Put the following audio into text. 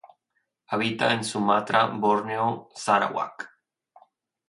Habita en Sumatra, Borneo, Sarawak.